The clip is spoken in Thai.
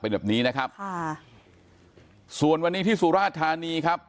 เป็นแบบนี้นะครับค่ะส่วนวันนี้ที่สุราชธานีครับ